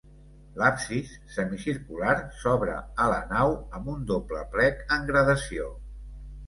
L'absis, semicircular, s'obre a la nau amb un doble plec en gradació.